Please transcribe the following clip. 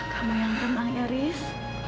kamu yang tenang haris